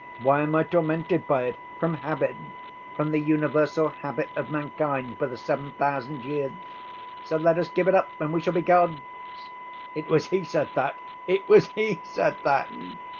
Why am I tormented by it? From habit. From the universal habit of mankind for the seven thousand years. So let us give it up, and we shall be gods.' It was he said that, it was he said that!"